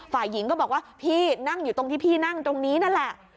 ฝ่ายหญิงก็บอกว่าพี่นั่งอยู่ตรงที่พี่นั่งตรงนี้นั่นแหละ